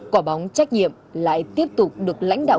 quả bóng trách nhiệm lại tiếp tục được lãnh đạo